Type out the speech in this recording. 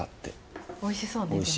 おいしそうねでも。